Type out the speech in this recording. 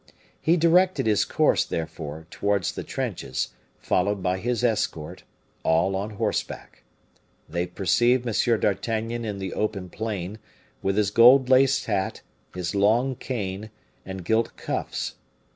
He directed his course, therefore, towards the trenches, followed by his escort, all on horseback. They perceived M. d'Artagnan in the open plain, with his gold laced hat, his long cane, and gilt cuffs.